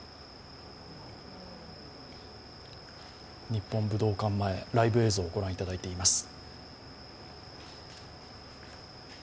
日本武道館前、ライブ映像をご覧いただいています。